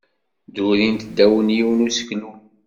Ddurint ddaw n yiwen n useklu.